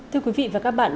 thưa quý vị và các bạn